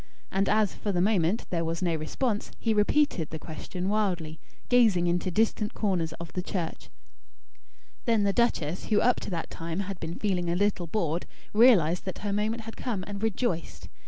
And as, for the moment, there was no response, he repeated, the question wildly; gazing into distant corners of the church. Then the duchess, who up to that time had been feeling a little bored, realised that her moment had come, and rejoiced.